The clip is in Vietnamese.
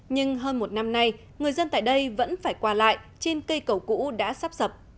nhưng hơn một năm nay người dân tại đây vẫn phải qua lại trên cây cầu cũ đã sắp sập